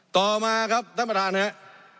ต่อมาครับท่านประธานครับ